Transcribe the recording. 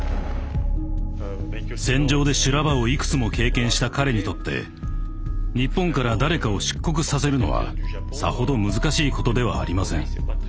戦場で修羅場をいくつも経験した彼にとって日本から誰かを出国させるのはさほど難しいことではありません。